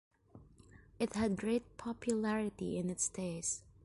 It had great popularity in its day.